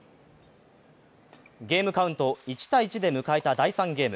ゲームカウント１−１で迎えた第３ゲーム。